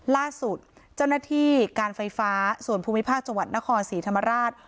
ล่าสุดเจ้าหน้าที่การไฟฟ้าส่วนภูมิภาคจังหวัดนครศรีธรรมราช